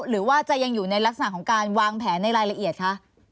หรือว่าจะยังอยู่ในลักษณะของการวางแผนในรายละเอียดคะ